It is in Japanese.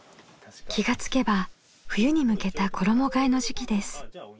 気が付けば冬に向けた衣がえの時期です。